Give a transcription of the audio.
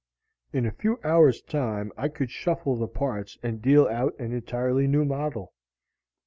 In a few hours' time I could shuffle the parts and deal out an entirely new model.